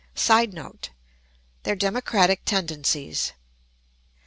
[Sidenote: Their democratic tendencies.